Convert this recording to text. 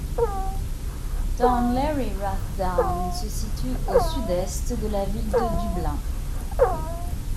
Dun Laoghaire-Rathdown se situe au sud est de la ville de Dublin.